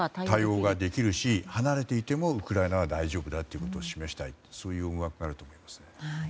対応ができるし離れていても、ウクライナは大丈夫だということを示したいという思惑があると思います。